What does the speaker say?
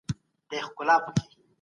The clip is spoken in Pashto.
موږ له تېر تاریخ څخه زده کړه کوو.